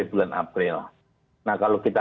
bulan april nah kalau kita